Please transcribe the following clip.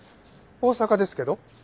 大阪ですけど。